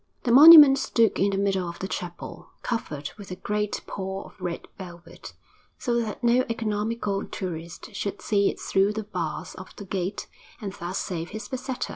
The monument stood in the middle of the chapel, covered with a great pall of red velvet, so that no economical tourist should see it through the bars of the gate and thus save his peseta.